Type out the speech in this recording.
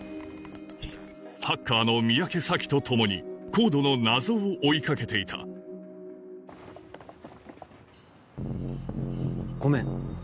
ハッカーの三宅咲とともにＣＯＤＥの謎を追いかけていた「ごめん。